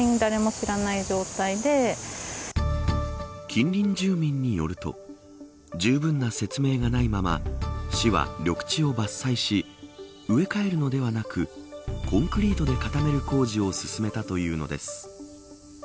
近隣住民によるとじゅうぶんの説明がないまま市は緑地を伐採し植え替えるのではなくコンクリートで固める工事を進めたというのです。